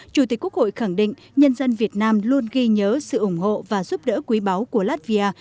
chủ tịch quốc hội khẳng định nhân dân việt nam luôn ghi nhớ sự ủng hộ và giúp đỡ quý báu của latvia